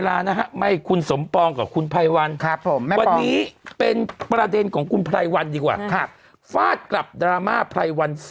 ฝากไว้ด้วยล่ะกัน